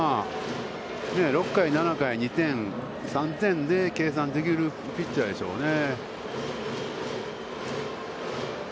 ６回、７回、２点、３点で計算できるピッチャーでしょうね。